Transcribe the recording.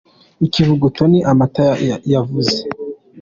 icyivuguto ni amata yavuze